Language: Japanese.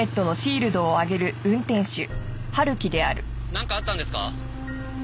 なんかあったんですか？